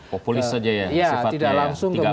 populis saja ya sifatnya tidak melakar